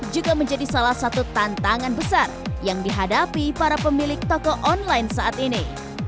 juga menjadi salah satu tantangan besar yang dihadapi para pemilik toko online saat ini